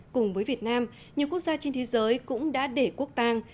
cùng với việt nam nhiều quốc gia trên thế giới cũng đã để quốc tàng